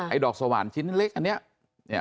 ไอ้ดอกสวรรค์ชิ้นเล็กอันนี้